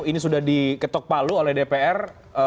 ini sudah diketok palu oleh dpr